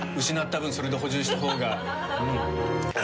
失った分それで補充したほうが。